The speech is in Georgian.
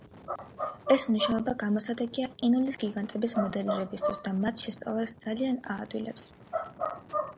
ეს მნიშვნელობა გამოსადეგია ყინულის გიგანტების მოდელირებისთვის და მათ შესწავლას ძალიან აადვილებს.